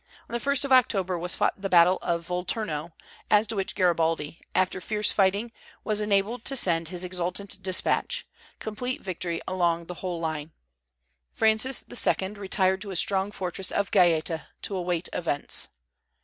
On the 1st of October was fought the battle of Volturno, as to which Garibaldi, after fierce fighting, was enabled to send his exultant dispatch, "Complete victory along the whole line!" Francis II. retired to his strong fortress of Gaeta to await events.